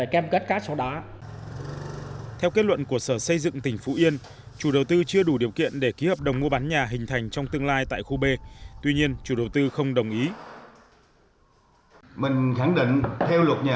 còn cái việc sở xây dựng kỹ kiến rằng chưa ra tầng xã hội thì bên công ty không không nhất